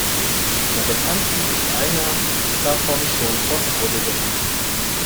Einer Bekannten ist einer davon schon vors Auto gerannt.